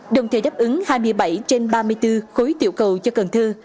đồng thời đáp ứng hai mươi bảy trên ba mươi bốn khối tiểu cầu cho cần thơ